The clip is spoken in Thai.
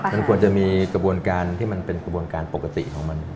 มันควรจะมีกระบวนการที่มันเป็นกระบวนการปกติของมัน